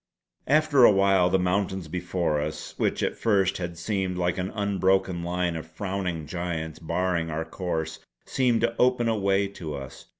After a while the mountains before us, which at first had seemed like an unbroken line of frowning giants barring our course, seemed to open a way to us.